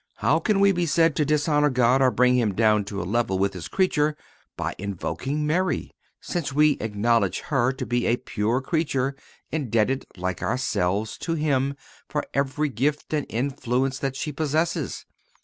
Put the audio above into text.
How can we be said to dishonor God, or bring Him down to a level with His creature by invoking Mary, since we acknowledge her to be a pure creature indebted like ourselves to Him for every gift and influence that she possesses?